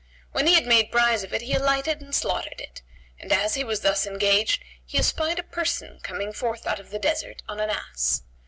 When he had made prize of it he alighted and slaughtered it; and as he was thus engaged, he espied a person[FN#136] coming forth out of the desert on an ass.